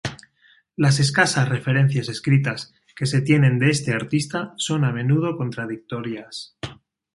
Las escasas referencias escritas que se tienen de este artista son a menudo contradictorias.